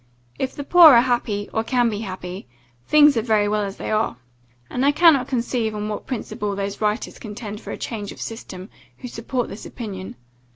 If the poor are happy, or can be happy, things are very well as they are. And I cannot conceive on what principle those writers contend for a change of system, who support this opinion.